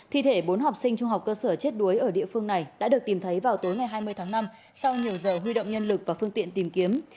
thi thể bốn học sinh trung học cơ sở chết đuối ở địa phương này đã được tìm thấy vào tối ngày hai mươi tháng năm sau nhiều giờ huy động nhân lực và phương tiện tìm kiếm